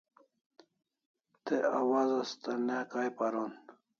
Te awaz asta ne kai paron